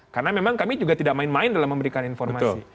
karena memang kami juga tidak main main dalam memberikan informasi